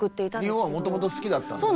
日本はもともと好きだったんですか？